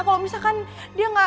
kalau misalkan dia gak sahur